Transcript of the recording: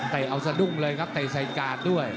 เตะเอาสะดุ้งเลยครับเตะไซด์การด์ด้วย